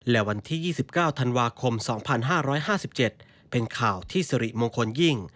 และวันที่๒๙ธันวาคม๒๕๕๗เป็นข่าวที่สิริมงคลยิ่ง